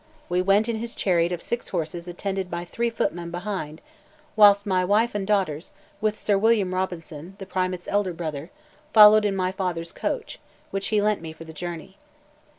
We went in his chariot of six horses attended by three footmen behind, whilst my wife and daughters, with Sir William Robinson, the primate's elder brother, followed in my father's coach, which he lent me for the journey.